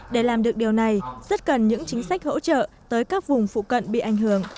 để làm được điều này rất cần những chính sách hỗ trợ tới các vùng phụ cận bị ảnh hưởng